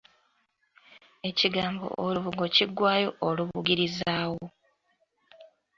Ekigambo olubugo kiggwaayo Olubugirizaawo.